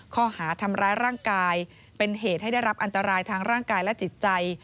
ข้อหาทำร้ายร่างกายเป็นเหตุให้ได้รับอันตรายทางร่างกายและจิตใจ